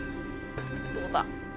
どうだ？